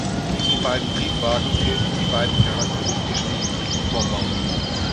Diesen beiden Triebwagen fehlten die beiden charakteristischen niedrigen Vorbauten.